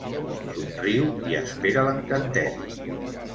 Somriu i espera l'encanteri.